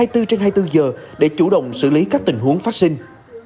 từ trên hai mươi bốn giờ để chủ động xử lý các tình huống phát sinh